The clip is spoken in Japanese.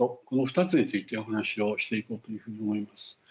この２つについてお話をしていこうというふうに思います。